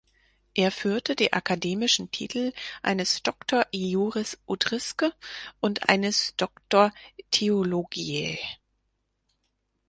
Er führte die akademischen Titel eines "Doctor iuris utriusque" und eines "Doctor theologiae".